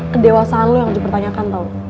kedewasaan lo yang dipertanyakan tau